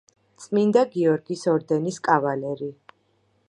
წმინდა გიორგის ორდენის კავალერი.